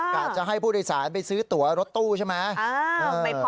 กะจะให้ผู้โดยสารไปซื้อตัวรถตู้ใช่ไหม